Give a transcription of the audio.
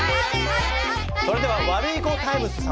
それではワルイコタイムス様！